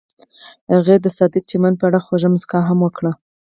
هغې د صادق چمن په اړه خوږه موسکا هم وکړه.